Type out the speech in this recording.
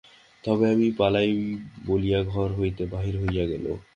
তবে আমি পালাই বলিয়া ঘর হইতে বাহির হইয়া গেল।